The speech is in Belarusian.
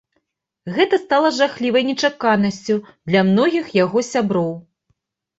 Гэта стала жахлівай нечаканасцю для многіх яго сяброў.